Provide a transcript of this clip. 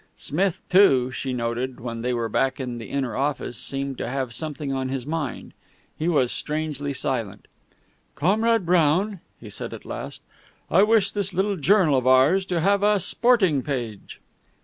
Smith, too, she noted, when they were back in the inner office, seemed to have something on his mind. He was strangely silent. "Comrade Brown," he said at last, "I wish this little journal of ours had a sporting page."